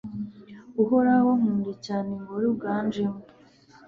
Uhoraho nkunda cyane Ingoro uganjemo